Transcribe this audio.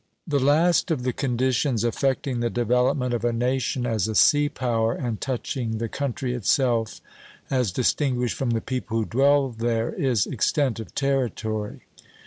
_ The last of the conditions affecting the development of a nation as a sea power, and touching the country itself as distinguished from the people who dwell there, is Extent of Territory.